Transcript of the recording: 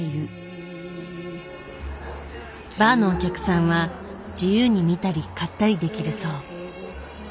バーのお客さんは自由に見たり買ったりできるそう。